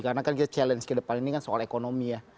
karena kan kita challenge ke depan ini kan soal ekonomi ya